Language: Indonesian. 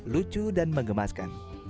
lucu dan mengemaskan